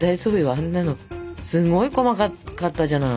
あんなのすごい細かかったじゃない。